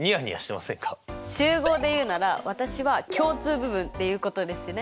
集合で言うなら私は共通部分っていうことですね。